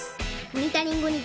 モニタリングに